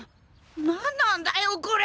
何なんだよこれ！